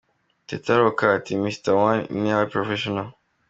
Tete Roca ati: "Mr One ni abe Professionel".